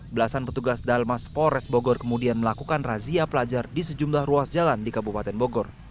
belasan petugas dalmas polres bogor kemudian melakukan razia pelajar di sejumlah ruas jalan di kabupaten bogor